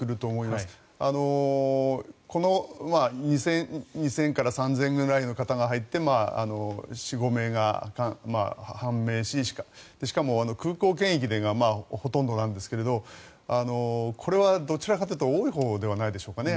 この２０００人から３０００人くらいの方が入って４５名が判明ししかも、空港検疫がほとんどなんですがこれはどちらかというと多いほうではないでしょうかね。